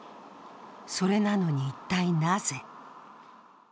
それなのに、一体なぜ？